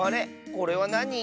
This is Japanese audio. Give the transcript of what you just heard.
これはなに？